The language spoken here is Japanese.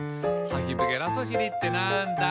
「ハヒブゲラソシリってなんだ？」